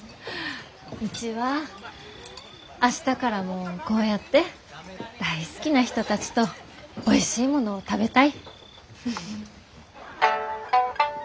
うちは明日からもこうやって大好きな人たちとおいしいものを食べたい！